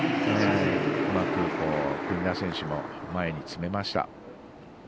うまく国枝選手も前に詰めました。